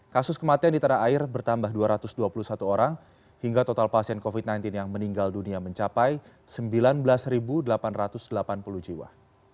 kasus kematian di tanah air bertambah dua ratus dua puluh satu orang hingga total pasien covid sembilan belas yang meninggal dunia mencapai sembilan belas delapan ratus delapan puluh jiwa